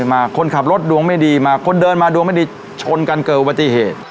มาคนขับรถดวงไม่ดีมาคนเดินมาดวงไม่ดีชนกันเกิดอุบัติเหตุ